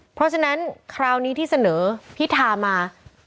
เพราะฉะนั้นคราวนี้ที่เสนอพิธามา